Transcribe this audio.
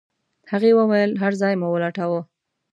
هغې وويل هر ځای مو ولټاوه.